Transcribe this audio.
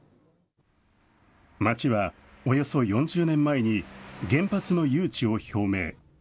町はおよそ４０年前に、原発の誘致を表明。